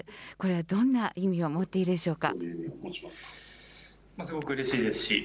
どんな意味を持っているでしょうか。